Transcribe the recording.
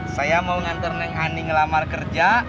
saya mau nganter neng ani ngelamar kerja